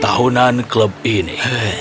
tahunan klub ini